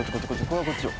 これはこっちよ。